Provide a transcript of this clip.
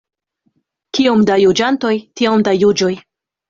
Kiom da juĝantoj, tiom da juĝoj.